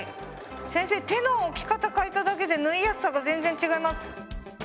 先生手の置き方変えただけで縫いやすさが全然違います。